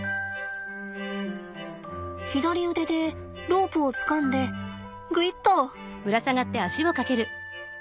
左腕でロープをつかんでグイッと。